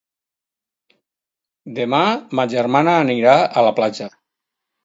Demà ma germana irà a la platja.